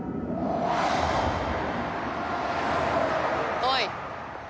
おい。